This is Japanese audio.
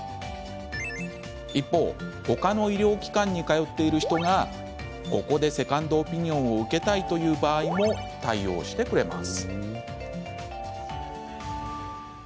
一方他の医療機関に通っている人がここでセカンドオピニオンを受けたいという場合も対応してくれます。